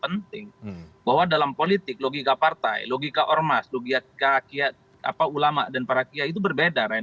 karena itu saya pikir bahwa logika politik logika partai logika ormas logika ulama dan para kia itu berbeda ren